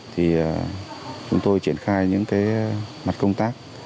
thì chúng tôi triển khai những cái mặt công tác